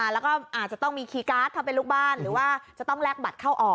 แล้วก็อาจจะต้องมีคีย์การ์ดถ้าเป็นลูกบ้านหรือว่าจะต้องแลกบัตรเข้าออก